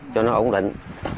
cho nó ổn định